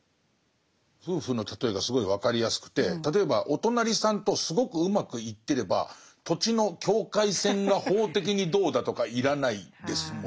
夫婦の例えがすごい分かりやすくて例えばお隣さんとすごくうまくいってれば土地の境界線が法的にどうだとか要らないですもんね。